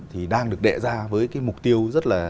thì đang được đệ ra với cái mục tiêu